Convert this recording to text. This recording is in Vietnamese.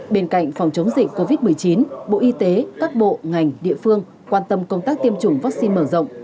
bên cạnh phòng chống dịch covid một mươi chín bộ y tế các bộ ngành địa phương quan tâm công tác tiêm chủng vaccine mở rộng